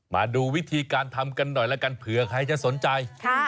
มาดูวิธีการทำกันหน่อยแล้วกันเผื่อใครจะสนใจ